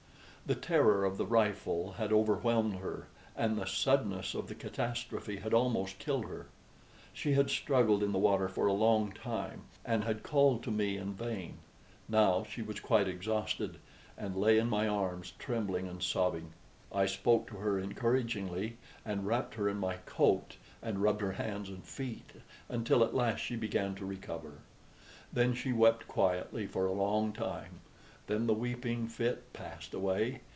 The terror of the rifle had overwhelmed her, and the suddenness of the catastrophe had almost killed her. She had struggled in the water for a long time, and had called to me in vain. Now she was quite exhausted, and lay in my arms trembling and sobbing. I spoke to her encouragingly, and wrapped her in my coat, and rubbed her hands and feet, until at last she began to recover. Then she wept quietly for a long time; then the weeping fit passed away.